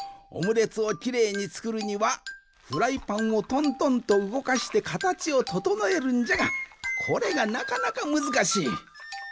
オムレツをきれいにつくるにはフライパンをトントンとうごかしてかたちをととのえるんじゃがこれがなかなかむずかしい。